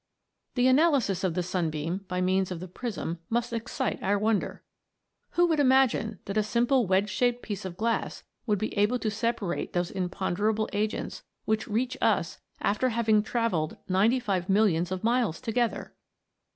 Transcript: The analysis of the sunbeam by means of the prism must excite our wonder. Who could imagine that a simple wedge shaped piece of glass would be able to separate those imponderable agents which reach us after having travelled ninety five millions of miles together